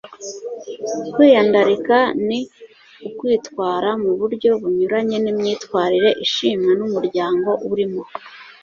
kwiyandarika ni ukwitwara mu buryo bunyuranye n'imyitwarire ishimwa n'umuryango urimo